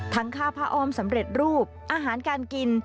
ค่าผ้าอ้อมสำเร็จรูปอาหารการกิน